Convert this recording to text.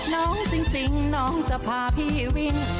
น้องจริงน้องจะพาพี่วิน